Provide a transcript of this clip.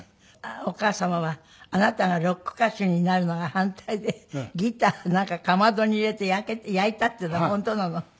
お母様はあなたがロック歌手になるのが反対でギターをかまどに入れて焼いたっていうのは本当なの？